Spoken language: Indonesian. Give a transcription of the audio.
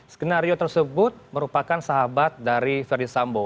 skenario tersebut merupakan sahabat dari ferdis sambo